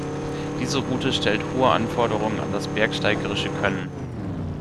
Diese Route stellt hohe Anforderungen an das bergsteigerische Können.